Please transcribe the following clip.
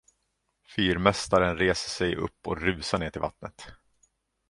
Fyrmästaren reser sig upp och rusar ned till vattnet